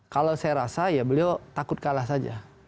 kalau saya rasa ya beliau takut kalah saja